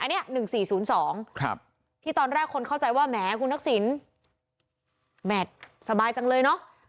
อันนี้๑๔๐๒ที่ตอนแรกคนเข้าใจว่าแหมคุณทักษิณแมทสบายจังเลยเนอะ